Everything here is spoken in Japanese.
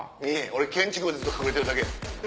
俺建築物ずっと隠れてるだけ。